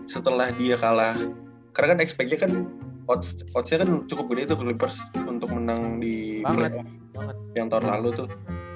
setelah dia kalah karena kan expect nya kan hotsnya kan cukup gede tuh kelipers untuk menang di grade yang tahun lalu tuh